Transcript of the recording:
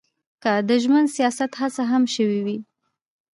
که د ژمن سیاست هڅه هم شوې وي.